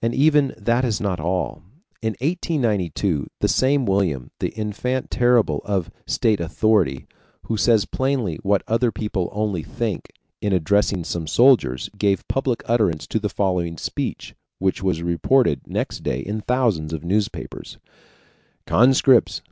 And even that is not all. In 1892, the same William, the ENFANT TERRIBLE of state authority, who says plainly what other people only think, in addressing some soldiers gave public utterance to the following speech, which was reported next day in thousands of newspapers: "Conscripts!"